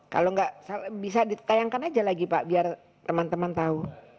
kalau nggak bisa ditayangkan aja lagi pak biar teman teman tahu dua ribu empat puluh lima